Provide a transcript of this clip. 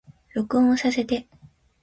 録音させて